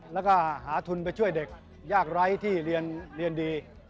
แล้วก็หาทุนไปช่วยเด็กยากไร้ที่เรียนดี